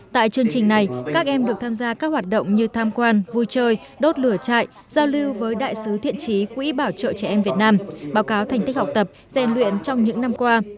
tại chương trình này các em được tham gia các hoạt động như tham quan vui chơi đốt lửa trại giao lưu với đại sứ thiện trí quỹ bảo trợ trẻ em việt nam báo cáo thành tích học tập gian luyện trong những năm qua